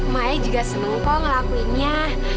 maya juga seneng kok ngelakuinnya